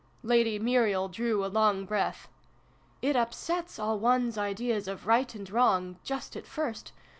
Lady Muriel drew a long breath. "It upsets all one's ideas of Right and Wrong just at first